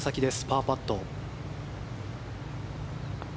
パーパット。